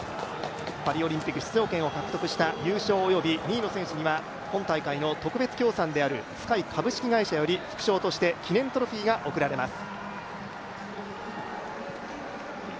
パリオリンピック出場権を獲得した優勝及び２位の選手には今大会の特別協賛であるＳｋｙ株式会社より副賞として記念トロフィーが贈られます。